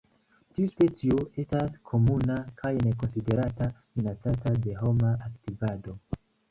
Tiu specio estas komuna kaj ne konsiderata minacata de homa aktivado.